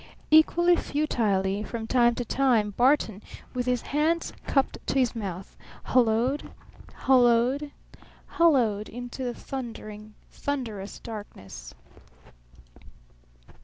Equally futilely from time to time, Barton, with his hands cupped to his mouth, holloed holloed holloed into the thunderous darkness.